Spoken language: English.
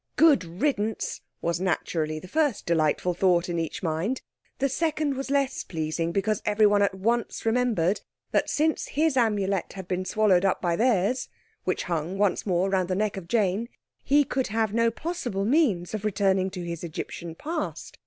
"Good riddance!" was naturally the first delightful thought in each mind. The second was less pleasing, because everyone at once remembered that since his Amulet had been swallowed up by theirs—which hung once more round the neck of Jane—he could have no possible means of returning to his Egyptian past.